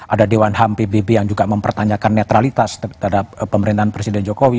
ada dewan ham pbb yang juga mempertanyakan netralitas terhadap pemerintahan presiden jokowi